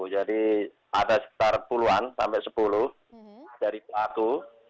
jadi ada sekitar puluhan sampai sepuluh dari pelaku